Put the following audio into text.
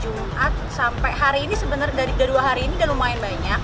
jumat sampai hari ini sebenarnya dari kedua hari ini udah lumayan banyak